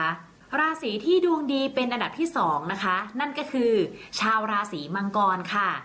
ราศีที่ดวงดีเป็นอันดับที่สองนะคะนั่นก็คือชาวราศีมังกรค่ะ